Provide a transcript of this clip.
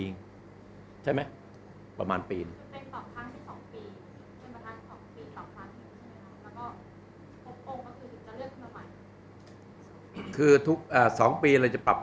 เป็น๒ครั้งเป็น๒ปีเป็นประธาน๒ปี๒ครั้งแล้วก็๖องค์ก็คือถึงจะเลือกขึ้นมาใหม่